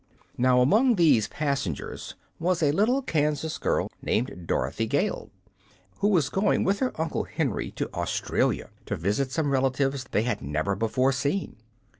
Now, among these passengers was a little Kansas girl named Dorothy Gale, who was going with her Uncle Henry to Australia, to visit some relatives they had never before seen.